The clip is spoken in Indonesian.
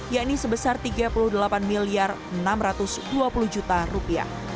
yakni sebesar rp tiga puluh delapan enam ratus dua puluh